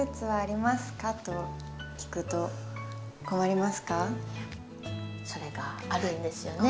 いやそれがあるんですよね。